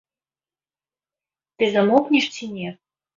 Ты замоўкнеш ці не!